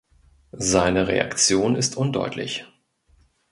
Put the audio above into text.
Seine Reaktion ist undeutlich.